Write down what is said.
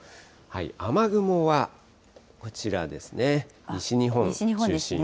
雨雲はこちらですね、西日本中心に。